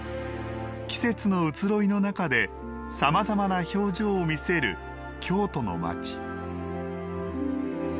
季節の移ろいの中でさまざまな表情を見せる京都のまち。